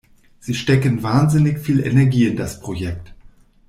Sie stecken wahnsinnig viel Energie in das Projekt.